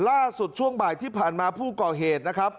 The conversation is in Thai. ช่วงบ่ายที่ผ่านมาผู้ก่อเหตุนะครับ